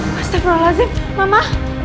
masa berulang lazim mama